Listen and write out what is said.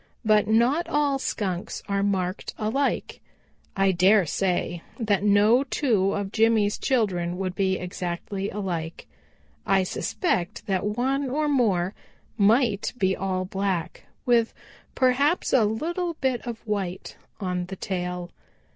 But not all Skunks are marked alike. I dare say that no two of Jimmy's children would be exactly alike. I suspect that one or more might be all black, with perhaps a little bit of white on the tail.